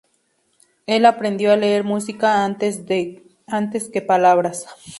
Él aprendió a leer música, antes que palabras.